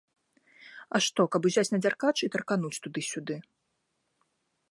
А што, каб узяць на дзяркач і таркануць туды-сюды.